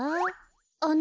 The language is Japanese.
あの。